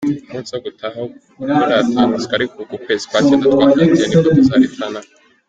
Umunsi wo gutaha wo ntitwawutangaza, ariko uku kwezi kwa Cyenda twatangiye niko tuzaritahamo”.